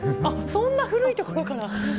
そんな古いところから。